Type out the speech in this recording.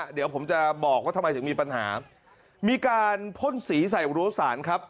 เดี๋ยวผมจะบอกว่าทำไมถึงมีปัญหามีการพ่นสีใส่รั้วสารครับ